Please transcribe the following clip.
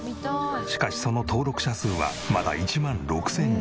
しかしその登録者数はまだ１万６０００人。